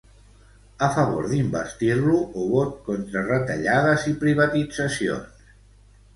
A favor d'investir-lo o vot contra retallades i privatitzacions.